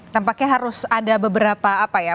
tampaknya harus ada beberapa apa ya